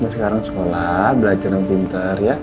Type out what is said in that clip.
sekarang sekolah belajar yang pintar ya